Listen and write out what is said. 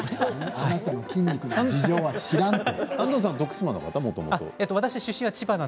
あなたの筋肉の事情は知らんて。